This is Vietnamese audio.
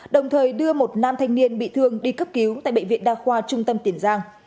đồng thời đưa một nam thanh niên bị thương đi cấp cứu tại bệnh viện đa khoa trung tâm tiền giang